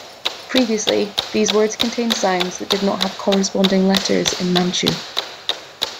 Previously, these words contained sounds that did not have corresponding letters in Manchu.